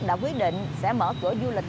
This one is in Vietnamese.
đã quyết định sẽ mở cửa du lịch